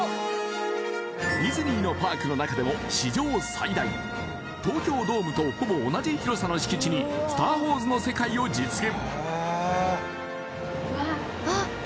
ディズニーのパークの中でも史上最大東京ドームとほぼ同じ広さの敷地に「スター・ウォーズ」の世界を実現